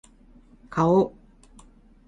顔